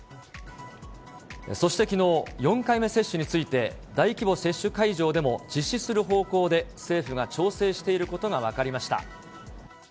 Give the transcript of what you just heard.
そしてきのう、４回目接種について、大規模接種会場でも実施する方向で、政府が調整していることが分かりました。